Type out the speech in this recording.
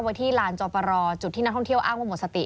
ที่ลานจอปรจุดที่นักท่องเที่ยวอ้างว่าหมดสติ